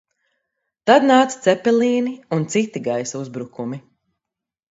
Tad nāca Cepelīni un citi gaisa uzbrukumi.